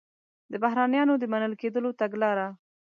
د بهرنیانو د منل کېدلو تګلاره